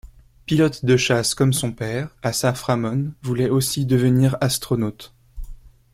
Pilote de chasse comme son père, Assaf Ramon voulait aussi devenir astronaute.